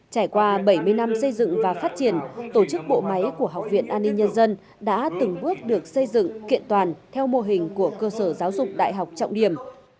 trải qua bảy mươi năm xây dựng và phát triển tổ chức bộ máy của học viện an ninh nhân dân đã từng bước được xây dựng kiện toàn theo mô hình của cơ sở giáo dục đại học trọng điểm